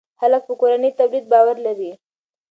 خلک په کورني تولید باور لري.